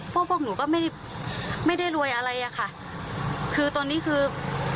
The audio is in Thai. เพราะพวกหนูก็ไม่ได้รวยอะไรตอนนี้คือ